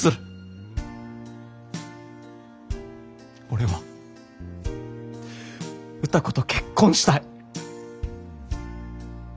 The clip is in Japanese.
俺は歌子と結婚したい。